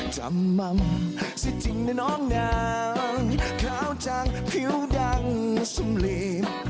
จำมัมสิจริงนะน้องหนาวเข้าจังพิวดังสำหรี